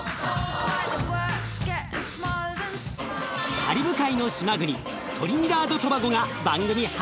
カリブ海の島国トリニダード・トバゴが番組初登場！